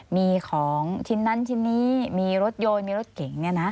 มีของชิ้นนั้นชิ้นนี้มีรถยนต์มีรถเก่ง